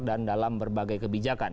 dan dalam berbagai kebijakan